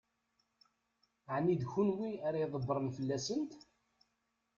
Ɛni d kenwi ara ydebbṛen fell-asent?